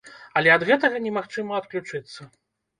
Але ад гэтага немагчыма адключыцца.